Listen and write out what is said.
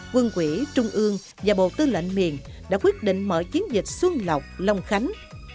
quân quỹ trung ương và bộ tư lệnh miền đã quyết định mở chiến dịch xuân lọc long khánh